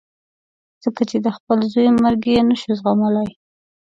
ځکه چې د خپل زوی مرګ یې نه شو زغملای.